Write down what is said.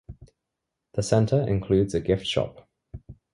The Center includes a gift shop.